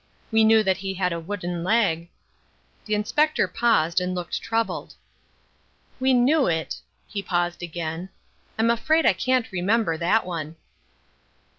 We knew that he had a wooden leg " The Inspector paused and looked troubled. "We knew it." He paused again. "I'm afraid I can't remember that one."